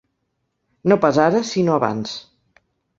No pas ara sinó abans.